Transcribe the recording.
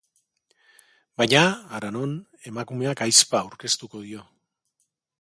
Baina, hara non, emakumeak ahizpa aurkeztuko dio.